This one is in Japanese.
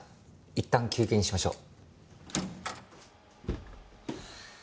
いったん休憩にしましょう。